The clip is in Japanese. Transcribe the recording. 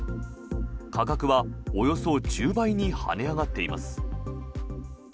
価格はおよそ１０倍に跳ね上がっています。